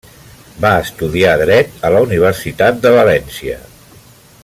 Va estudiar dret a la Universitat de València.